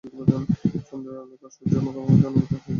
চন্দ্রের আলো তার সূর্যের মুখোমুখিতা অনুপাতে হয়ে থাকে।